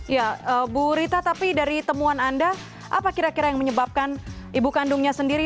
ya bu rita tapi dari temuan anda apa kira kira yang menyebabkan ibu kandungnya sendiri